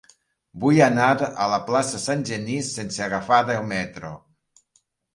Vull anar a la plaça de Sant Genís sense agafar el metro.